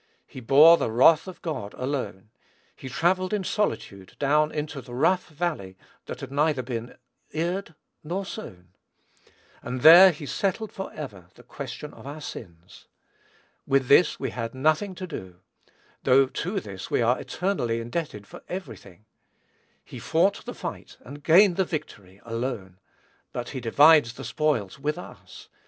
He bore the wrath of God alone; he travelled in solitude down into "the rough valley that had neither been eared nor sown," and there he settled forever the question of our sins. With this we had nothing to do, though to this we are eternally indebted for every thing. He fought the fight and gained the victory, alone; but he divides the spoils with us.